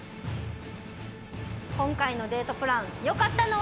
今回のデートプラン、まさかの。